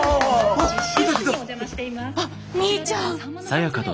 あっみーちゃん！